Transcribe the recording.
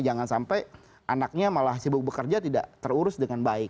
jangan sampai anaknya malah sibuk bekerja tidak terurus dengan baik